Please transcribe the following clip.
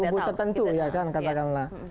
kubu tertentu ya kan katakanlah